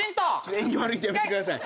縁起悪いんでやめてください。